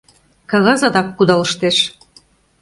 Кагаз адак «кудалыштеш».